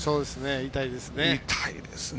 痛いですね。